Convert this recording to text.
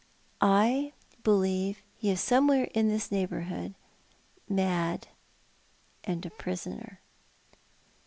I believe he is somewhere in this neighbourhood, mad, and a prisoner."